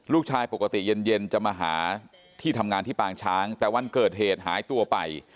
ลูกชายปกติเย็นจะมาหาที่ทำงานที่ปางช้างแต่วันเกิดเหตุหายตัวไป